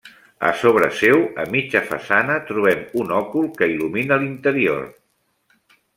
A sobre seu, a mitja façana, trobem un òcul que il·lumina l'interior.